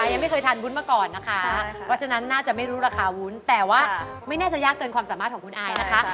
ยังไม่เคยทานวุ้นมาก่อนนะคะเพราะฉะนั้นน่าจะไม่รู้ราคาวุ้นแต่ว่าไม่น่าจะยากเกินความสามารถของคุณอายนะคะ